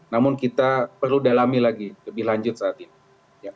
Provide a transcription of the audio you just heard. namun kita perlu dalami lagi lebih lanjut saat ini